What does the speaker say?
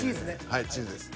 はいチーズです。